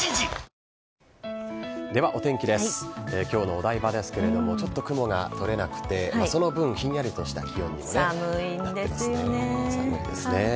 きょうのお台場ですけれども、ちょっと雲が取れなくて、その分、ひんやりとした気温になってますね。